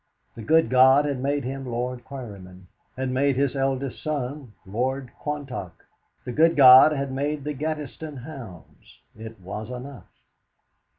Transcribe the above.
The good God had made him Lord Quarryman, had made his eldest son Lord Quantock; the good God had made the Gaddesdon hounds it was enough!